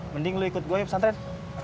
mending lo ikut gue pesantren